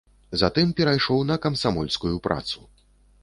Затым перайшоў на камсамольскую працу.